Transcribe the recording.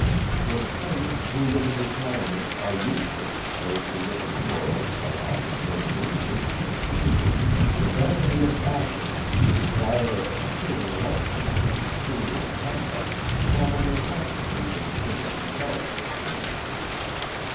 If Saints, who live in retirement, are useless, those who live in the world, are often very dangerous. The vanity of acting, the desire of appearing illustrious and peculiar in conduct, commonly constitute the distinguishing character of Saints.